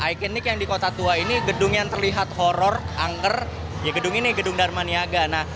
ikonik yang di kota tua ini gedung yang terlihat horror angker ya gedung ini gedung dharma niaga